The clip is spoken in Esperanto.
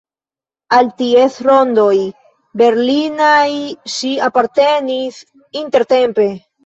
Al ties rondoj berlinaj ŝi apartenis intertempe.